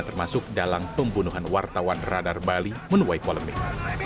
termasuk dalam pembunuhan wartawan radar bali menuai polemik